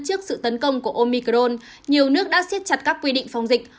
trước sự tấn công của omicron nhiều nước đã xiết chặt các quy định phòng dịch